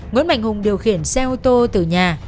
nguyễn mạnh hùng điều khiển xe ô tô từ nhà